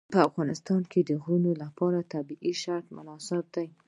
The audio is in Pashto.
په افغانستان کې د غرونه لپاره طبیعي شرایط مناسب دي.